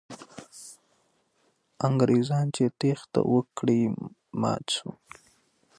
انګریزان چې تېښته یې وکړه، مات سول.